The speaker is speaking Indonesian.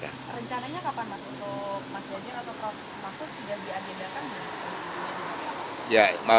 rencananya kapan pak soe